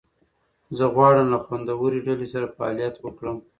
زه غواړم له خوندورې ډلې سره فعالیت وکړم.